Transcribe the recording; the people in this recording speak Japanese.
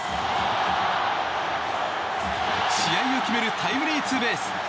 試合を決めるタイムリーツーベース。